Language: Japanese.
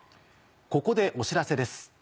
ここでお知らせです。